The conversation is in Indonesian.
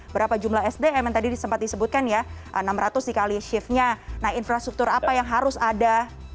berapa jumlah sdm yang tadi sempat disebutkan ya enam ratus dikali shiftnya nah infrastruktur apa yang harus ada